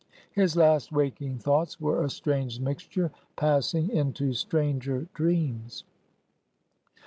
His last waking thoughts were a strange mixture, passing into stranger dreams.